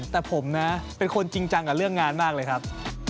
แต่ผมนะเป็นคนจริงจังกับเรื่องงานมากเลยครับ